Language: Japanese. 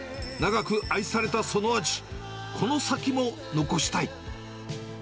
長く愛されたその味、この先も残したい。